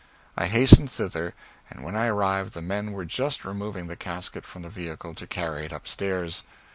I hastened thither, and when I arrived the men were just removing the casket from the vehicle to carry it up stairs.